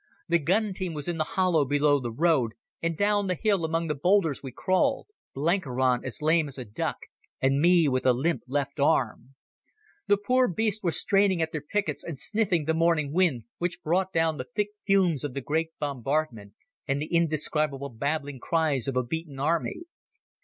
The gun team was in the hollow below the road, and down the hill among the boulders we crawled, Blenkiron as lame as a duck, and me with a limp left arm. The poor beasts were straining at their pickets and sniffing the morning wind, which brought down the thick fumes of the great bombardment and the indescribable babbling cries of a beaten army.